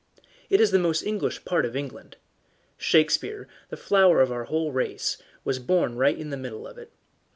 It is the most English part of England. Shakespeare, the flower of the whole race, was born right in the middle of it.